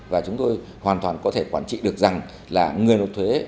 và chúng tôi hoàn toàn có thể quản trị được rằng là người nộp thuế